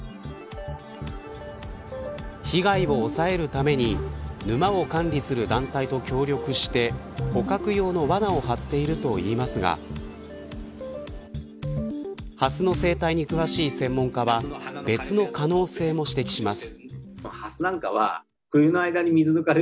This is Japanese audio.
被害を抑えるために沼を管理する団体と協力して捕獲用の罠を張っているといいますがハスの生態に詳しい専門家は別の可能性も指摘します。